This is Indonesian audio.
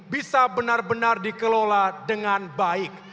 bisa benar benar dikelola dengan baik